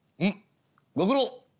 ご苦労！